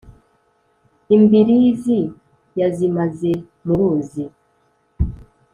Imbirizi yazimaze mu ruzi.